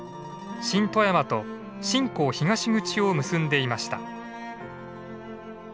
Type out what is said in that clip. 新富山と新港東口を結んでいました。